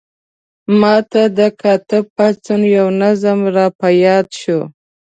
ما ته د کاتب پاڅون یو نظم را په یاد شو.